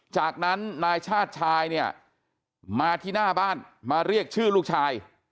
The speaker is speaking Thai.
จากนั้นนายชาติชายเนี่ยมาที่หน้าบ้านมาเรียกชื่อลูกชาย